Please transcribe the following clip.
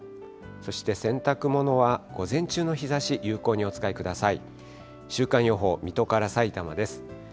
そして洗濯物は、午前中の日ざし、有効にお使いください。